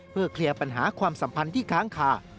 เพื่อเคลียร์ปัญหาความสัมพันธ์ที่ค้างคา